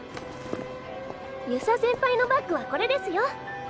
遊佐先輩のバッグはこれですよ。